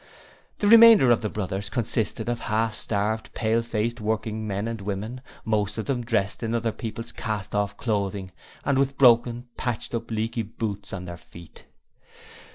The remainder of the Brothers consisted of half starved, pale faced working men and women, most of them dressed in other people's cast off clothing, and with broken, patched up, leaky boots on their feet.